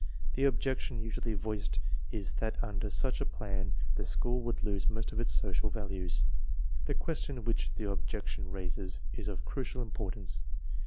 The objection usually voiced is that under such a plan the school would lose most of its social values. The question which the objection raises is of crucial importance.